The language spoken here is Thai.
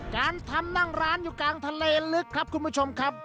การทำนั่งร้านอยู่กลางทะเลลึกครับคุณผู้ชมครับ